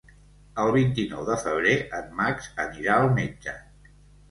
El vint-i-nou de febrer en Max anirà al metge.